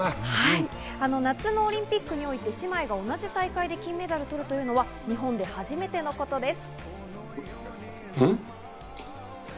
夏のオリンピックにおいて姉妹が同じ大会で金メダルを取るのは日本で初めてのことです。